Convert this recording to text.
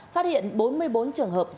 phát hiện bốn mươi bốn trường hợp diễn ra